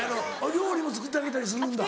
料理も作ってあげたりするんだ？